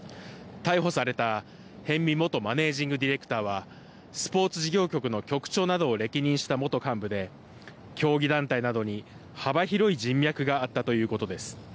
逮捕された逸見元マネージング・ディレクターは、スポーツ事業局の局長などを歴任した元幹部で、競技団体などに幅広い人脈があったということです。